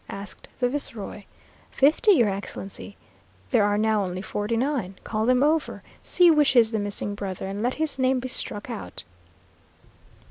asked the viceroy. "Fifty, your Excellency." "There are now only forty nine. Call them over, see which is the missing brother, and let his name be struck out."